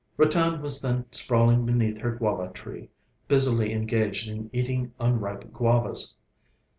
Ratan was then sprawling beneath the guava tree, busily engaged in eating unripe guavas.